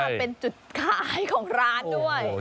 เป็นจุดขายของร้านด้วย